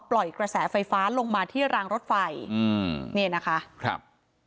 กระแสไฟฟ้าลงมาที่รางรถไฟอืมเนี่ยนะคะครับ